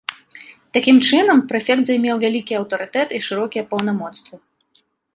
Такім чынам, прэфект займеў вялікі аўтарытэт і шырокія паўнамоцтвы.